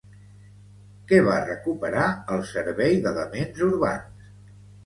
Què va recuperar el Servei d'Elements Urbans?